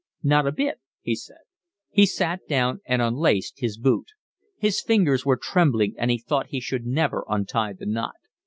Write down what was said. "Not a bit," he said. He sat down and unlaced his boot. His fingers were trembling and he thought he should never untie the knot.